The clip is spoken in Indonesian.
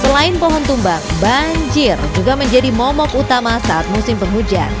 selain pohon tumbang banjir juga menjadi momok utama saat musim penghujan